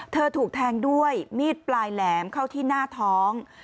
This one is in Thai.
ถูกแทงด้วยมีดปลายแหลมเข้าที่หน้าท้อง